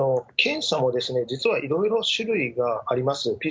検査も実はいろいろ種類があります。